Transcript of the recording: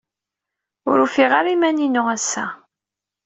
Ur ufiɣ ara iman-inu ass-a.